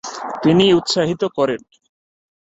তিনি উৎসাহিত করেন।